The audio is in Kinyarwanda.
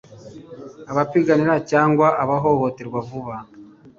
abapiganira cyangwa ahohoterwa vuba